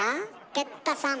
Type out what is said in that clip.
哲太さん。